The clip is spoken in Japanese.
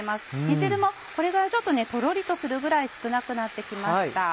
煮汁もこれぐらいとろりとするぐらい少なくなって来ました。